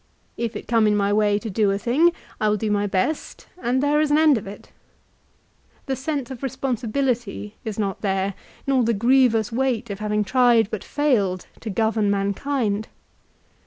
If it come in my way to do a thing, I will do my best, and there is an end of it. The sense of responsibility is not there, nor the grievous weight of having tried but failed to govern mankind.